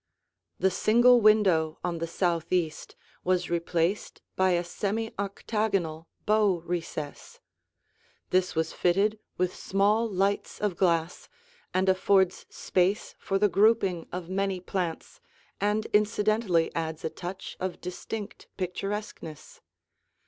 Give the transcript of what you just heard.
The single window on the southeast was replaced by a semi octagonal bow recess. This was fitted with small lights of glass and affords space for the grouping of many plants and incidentally adds a touch of distinct picturesqueness.